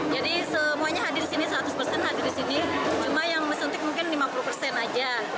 jadi semuanya hadir di sini seratus persen hadir di sini cuma yang mesun tik mungkin lima puluh persen aja